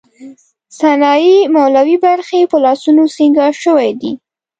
سنايي، مولوی بلخي په لاسونو سینګار شوې دي.